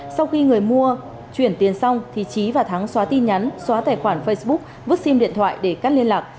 sau khi người mua chuyển tiền xong thì trí và thắng xóa tin nhắn xóa tài khoản facebook vứt sim điện thoại để cắt liên lạc